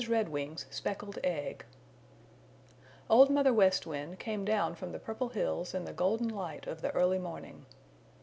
REDWING'S SPECKLED EGG Old Mother West Wind came down from the Purple Hills in the golden light of the early morning.